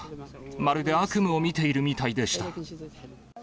まるで悪夢を見ているみたいでした。